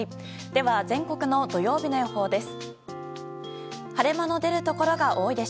では、全国の土曜日の予報です。